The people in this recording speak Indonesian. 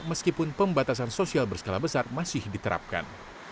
meskipun pembatasan sosial berskala besar masih diterapkan